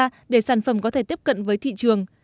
chị đã tìm ra để sản phẩm có thể tiếp cận với thị trường